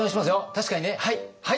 確かにねはい。